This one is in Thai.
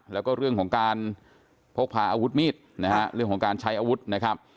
แล้วก็เรื่องของการพกพาอาวุธมีดนะฮะเรื่องของการใช้อาวุธนะครับ